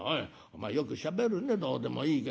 お前よくしゃべるねどうでもいいけど。